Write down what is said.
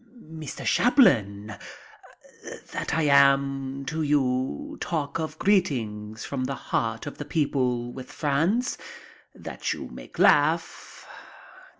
"Mr. Chaplin, that I am to you talk of greetings from the heart of the people with France, that you make laugh.